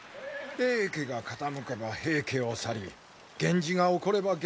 平家が傾けば平家を去り源氏が興れば源氏に走る。